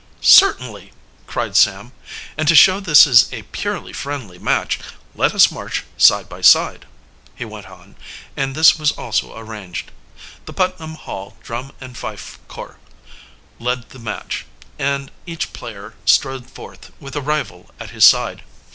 "Certainly!" cried Sam. "And to show this is a purely friendly match, let us march side by side," he went on, and this was also arranged. The Putnam Hall drum and fife corps led the march, and each player strode forth with a rival at his side.